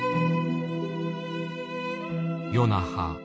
与那覇。